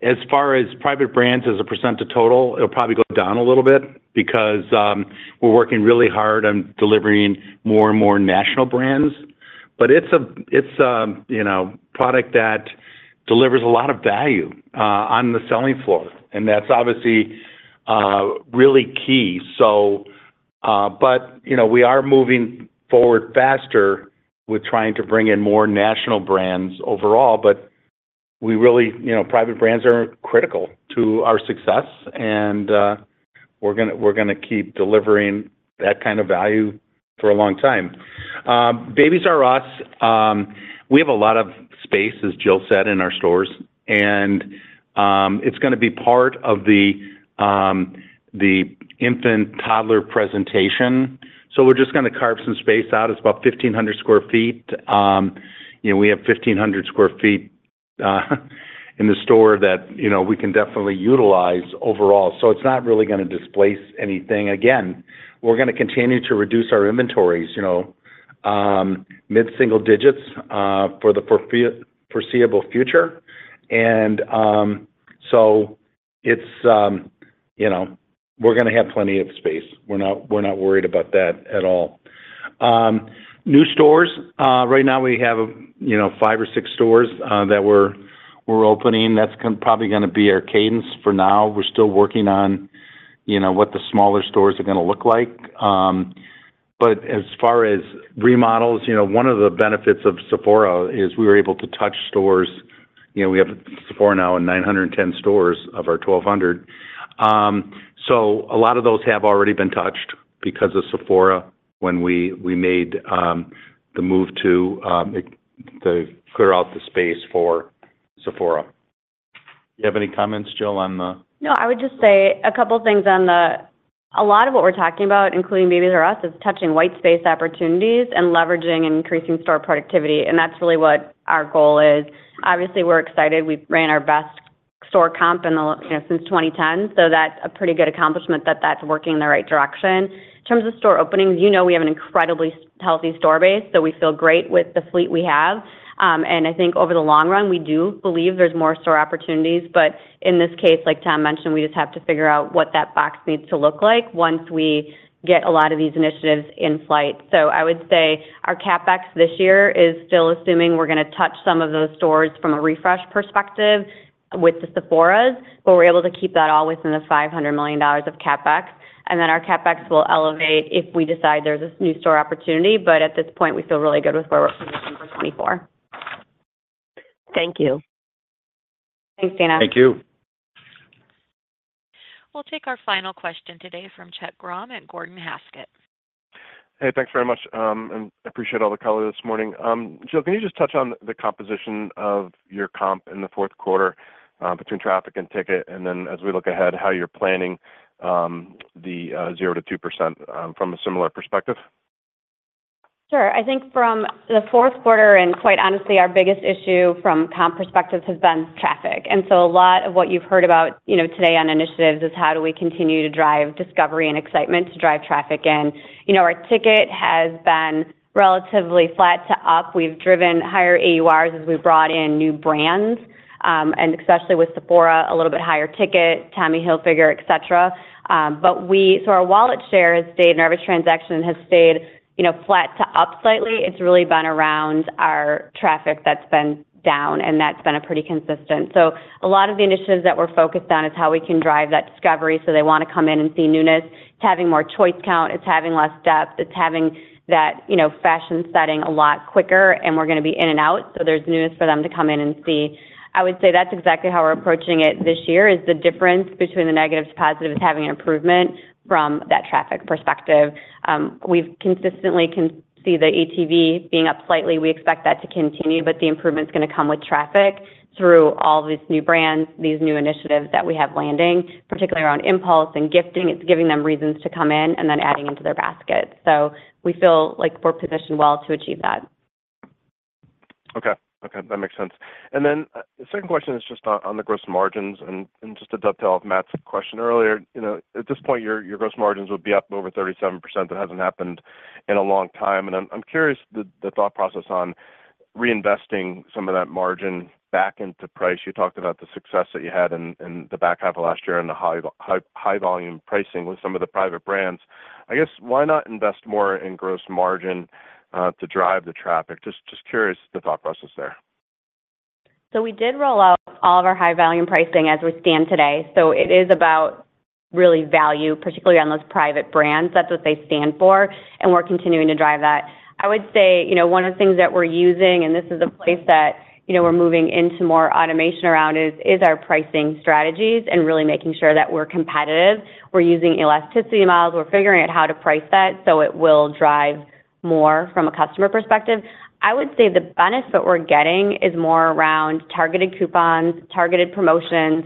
As far as private brands as a percentage total, it'll probably go down a little bit because we're working really hard on delivering more and more national brands. But it's a product that delivers a lot of value on the selling floor, and that's obviously really key. But we are moving forward faster with trying to bring in more national brands overall. But we really private brands are critical to our success, and we're going to keep delivering that kind of value for a long time. Babies"R"Us, we have a lot of space, as Jill said, in our stores. And it's going to be part of the infant toddler presentation. So we're just going to carve some space out. It's about 1,500 sq ft. We have 1,500 sq ft in the store that we can definitely utilize overall. So it's not really going to displace anything. Again, we're going to continue to reduce our inventories, mid-single digits for the foreseeable future. And so we're going to have plenty of space. We're not worried about that at all. New stores, right now, we have 5 or 6 stores that we're opening. That's probably going to be our cadence for now. We're still working on what the smaller stores are going to look like. But as far as remodels, one of the benefits of Sephora is we were able to touch stores. We have Sephora now in 910 stores of our 1,200. So a lot of those have already been touched because of Sephora when we made the move to clear out the space for Sephora. Do you have any comments, Jill, on the? No, I would just say a couple of things on the. A lot of what we're talking about, including Babies"R"Us, is touching white space opportunities and leveraging and increasing store productivity. And that's really what our goal is. Obviously, we're excited. We've ran our best store comp since 2010, so that's a pretty good accomplishment that that's working in the right direction. In terms of store openings, we have an incredibly healthy store base, so we feel great with the fleet we have. And I think over the long run, we do believe there's more store opportunities. But in this case, like Tom mentioned, we just have to figure out what that box needs to look like once we get a lot of these initiatives in flight. I would say our CapEx this year is still assuming we're going to touch some of those stores from a refresh perspective with the Sephoras, but we're able to keep that all within the $500 million of CapEx. Our CapEx will elevate if we decide there's a new store opportunity. At this point, we feel really good with where we're positioned for 2024. Thank you. Thanks, Dana. Thank you. We'll take our final question today from Chuck Grom at Gordon Haskett. Hey, thanks very much. I appreciate all the color this morning. Jill, can you just touch on the composition of your comp in the Q4 between traffic and ticket? And then as we look ahead, how you're planning the 0%-2% from a similar perspective? Sure. I think from the Q4, and quite honestly, our biggest issue from comp perspective has been traffic. And so a lot of what you've heard about today on initiatives is how do we continue to drive discovery and excitement to drive traffic in. Our ticket has been relatively flat to up. We've driven higher AURs as we brought in new brands, and especially with Sephora, a little bit higher ticket, Tommy Hilfiger, etc. So our wallet share has stayed and every transaction has stayed flat to up slightly. It's really been around our traffic that's been down, and that's been a pretty consistent so a lot of the initiatives that we're focused on is how we can drive that discovery. So they want to come in and see newness. It's having more choice count. It's having less depth. It's having that fashion setting a lot quicker, and we're going to be in and out. So there's newness for them to come in and see. I would say that's exactly how we're approaching it this year, is the difference between the negative to positive is having an improvement from that traffic perspective. We consistently can see the ATV being up slightly. We expect that to continue, but the improvement's going to come with traffic through all these new brands, these new initiatives that we have landing, particularly around Impulse and gifting. It's giving them reasons to come in and then adding into their basket. So we feel like we're positioned well to achieve that. Okay. Okay. That makes sense. Then the second question is just on the gross margins and just a dovetail of Matt's question earlier. At this point, your gross margins would be up over 37%. That hasn't happened in a long time. I'm curious the thought process on reinvesting some of that margin back into price. You talked about the success that you had in the back half of last year and the high-volume pricing with some of the private brands. I guess, why not invest more in gross margin to drive the traffic? Just curious the thought process there. So we did roll out all of our high-volume pricing as it stands today. So it is about real value, particularly on those private brands. That's what they stand for, and we're continuing to drive that. I would say one of the things that we're using, and this is a place that we're moving into more automation around, is our pricing strategies and really making sure that we're competitive. We're using elasticity models. We're figuring out how to price that so it will drive more from a customer perspective. I would say the benefit we're getting is more around targeted coupons, targeted promotions.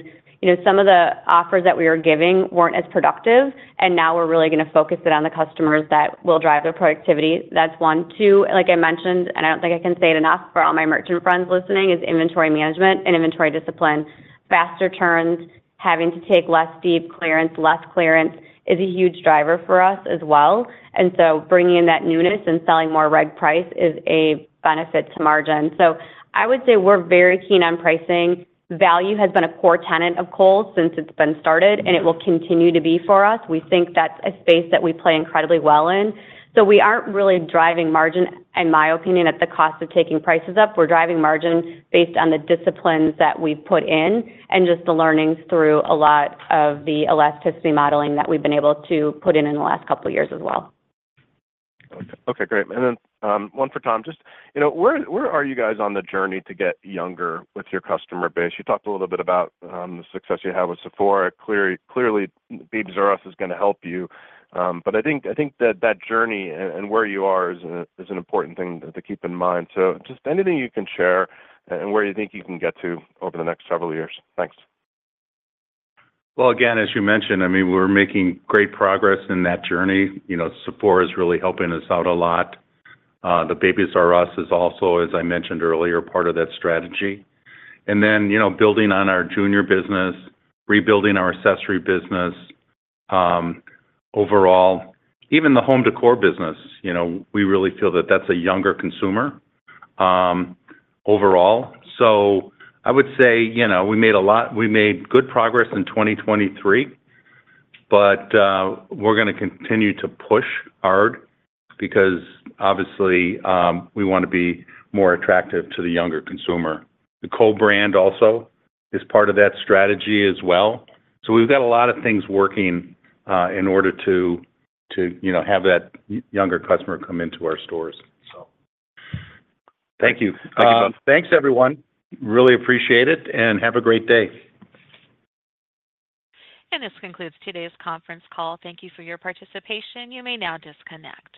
Some of the offers that we were giving weren't as productive, and now we're really going to focus it on the customers that will drive the productivity. That's one. Two, like I mentioned - and I don't think I can say it enough for all my merchant friends listening - is inventory management and inventory discipline. Faster turns, having to take less deep clearance, less clearance is a huge driver for us as well. And so bringing in that newness and selling more reg price is a benefit to margin. So I would say we're very keen on pricing. Value has been a core tenet of Kohl's since it's been started, and it will continue to be for us. We think that's a space that we play incredibly well in. So we aren't really driving margin, in my opinion, at the cost of taking prices up. We're driving margin based on the disciplines that we've put in and just the learnings through a lot of the elasticity modeling that we've been able to put in in the last couple of years as well. Okay. Great. And then one for Tom, just where are you guys on the journey to get younger with your customer base? You talked a little bit about the success you have with Sephora. Clearly, Babies"R"Us is going to help you. But I think that that journey and where you are is an important thing to keep in mind. So just anything you can share and where you think you can get to over the next several years. Thanks. Well, again, as you mentioned, I mean, we're making great progress in that journey. Sephora is really helping us out a lot. The Babies"R"Us is also, as I mentioned earlier, part of that strategy. And then building on our junior business, rebuilding our accessory business overall, even the home decor business, we really feel that that's a younger consumer overall. So I would say we made good progress in 2023, but we're going to continue to push hard because, obviously, we want to be more attractive to the younger consumer. The Kohl's brand also is part of that strategy as well. So we've got a lot of things working in order to have that younger customer come into our stores. Thank you. Thank you, both. Thanks, everyone. Really appreciate it, and have a great day. This concludes today's conference call. Thank you for your participation. You may now disconnect.